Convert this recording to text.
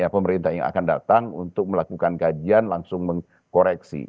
pemerintah yang akan datang untuk melakukan kajian langsung mengkoreksi